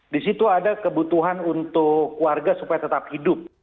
di situ ada kebutuhan untuk warga supaya tetap hidup